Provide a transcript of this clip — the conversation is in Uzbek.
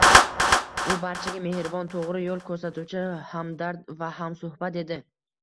U barchaga mehribon, to`g`ri yo`l ko`rsatuvchi, hamdard va hamsuhbat edi